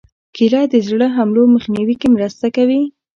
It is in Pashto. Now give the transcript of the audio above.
کېله د زړه حملو مخنیوي کې مرسته کوي.